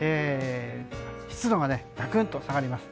湿度がガクンと下がります。